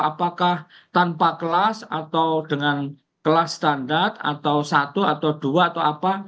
apakah tanpa kelas atau dengan kelas standar atau satu atau dua atau apa